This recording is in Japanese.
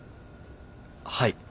はい。